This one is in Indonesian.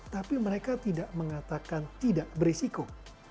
tapi mereka tidak mengatakan tidak berisiko